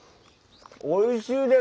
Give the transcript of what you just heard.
おいしいです！